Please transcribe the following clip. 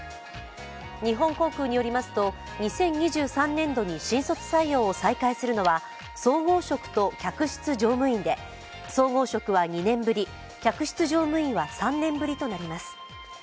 日本航空によりますと、２０２３年度に新卒採用を再開するのは総合職と客室乗務員で、総合職は２年ぶり客室乗務員は３年ぶりとなります。